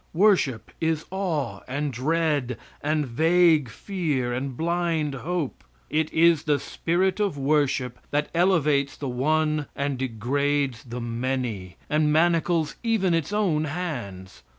Worship is awe, and dread, and vague fear, and blind hope. It is the spirit of worship that elevates the one and degrades the many; and manacles even its own hands.